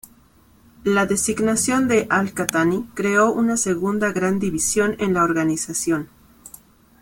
La designación de al-Qahtani creó una segunda gran división en la organización.